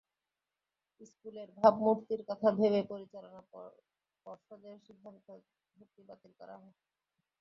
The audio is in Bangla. স্কুলের ভাবমূর্তির কথা ভেবে পরিচালনা পর্ষদের সিদ্ধান্তে ভর্তি বাতিল করা হয়।